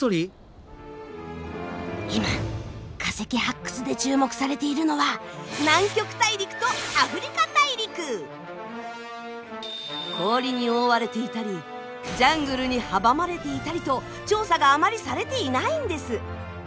今化石発掘で注目されているのは氷に覆われていたりジャングルに阻まれていたりと調査があまりされていないんです。